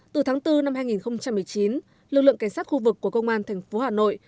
từ tháng bốn năm hai nghìn một mươi chín lực lượng cảnh sát khu vực của công an thành phố hà nội